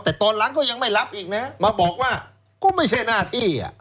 แต่ตอนหลังก็ยังไม่รับอีกนะมาบอกว่าก็ไม่ใช่หน้าที่